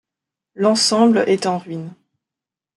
L'ensemble est en ruines.